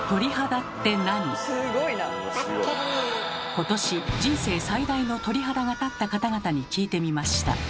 今年人生最大の鳥肌が立った方々に聞いてみました。